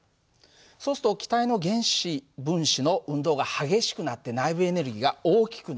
そうすると気体の原子分子の運動が激しくなって内部エネルギーが大きくなる。